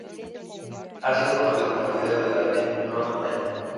Ha sido conocido como el líder de la Little Rock Nine.